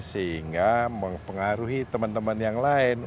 sehingga mempengaruhi teman teman yang lain